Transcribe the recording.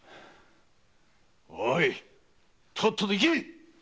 おぃとっとと行け！